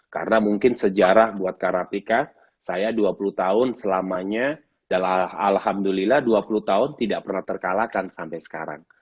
karena mungkin sejarah buat karatika saya dua puluh tahun selamanya alhamdulillah dua puluh tahun tidak pernah terkalahkan sampai sekarang